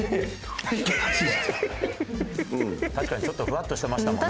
「確かにちょっとフワッとしてましたもんね」。